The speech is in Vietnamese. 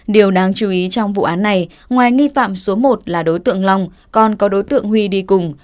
điều đáng chú ý trong vụ án này ngoài nghi phạm số một là đối tượng long còn có đối tượng huy đi cùng